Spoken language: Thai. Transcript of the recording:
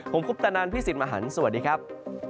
ผมคุปตะนันพี่สิทธิ์มหันฯสวัสดีครับ